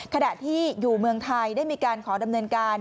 ขณะที่อยู่เมืองไทยได้มีการขอดำเนินการ